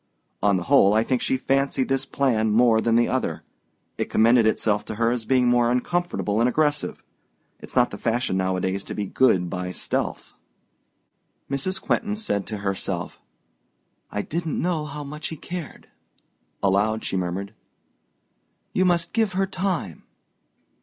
On the whole, I think she fancied this plan more than the other it commended itself to her as being more uncomfortable and aggressive. It's not the fashion nowadays to be good by stealth." Mrs. Quentin said to herself, "I didn't know how much he cared!" Aloud she murmured, "You must give her time."